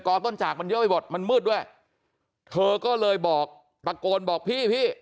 ต้นจากมันเยอะไปหมดมันมืดด้วยเธอก็เลยบอกตะโกนบอกพี่พี่